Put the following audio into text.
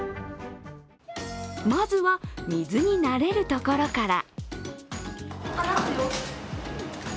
まずは、水に慣れるところから。